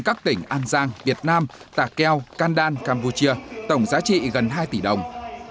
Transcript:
các tỉnh an giang việt nam tà keo can đan campuchia tổng giá trị gần hai tỷ đồng